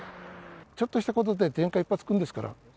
ちょっとしたことで前科１犯つくんですから。